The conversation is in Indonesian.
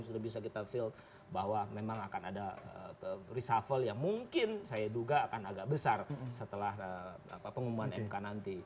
sudah bisa kita feel bahwa memang akan ada reshuffle yang mungkin saya duga akan agak besar setelah pengumuman mk nanti